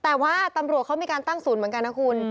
แต่ว่าตำรวจเขามีการตั้งศูนย์เหมือนกันนะคุณ